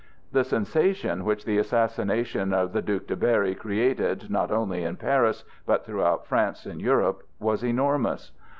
The sensation which the assassination of the Duc de Berry created not only in Paris, but throughout France and Europe, was enormous.